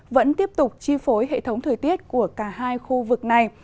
vẫn tiếp tục chi phối hệ thống thời tiết của cả hai khu vực này